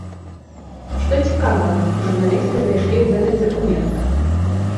Што цікавага журналісты знайшлі ў гэтых дакументах?